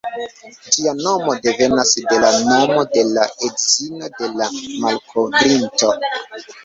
Ĝia nomo devenas de la nomo de la edzino de la malkovrinto.